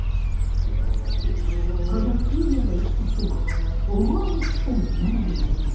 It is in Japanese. この窮余の一策が思わぬヒットにつながりました。